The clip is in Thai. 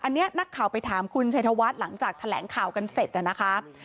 อันนี้นักข่าวไปถามคุณชัยธวัฒน์หลังจากแถลงข่าวกันเสร็จนะคะ